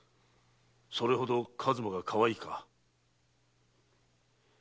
それほど数馬がかわいいか？